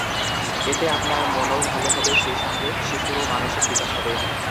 এতে আপনার মনও ভালো হবে সেই সঙ্গে শিশুরও মানসিক বিকাশ হবে।